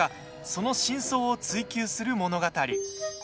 その真相を追求する物語。